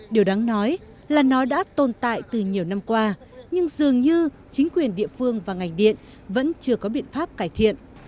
điều đáng nói là nó đã tồn tại từ nhiều năm qua nhưng dường như chính quyền địa phương và ngành điện vẫn chưa có biện pháp cải thiện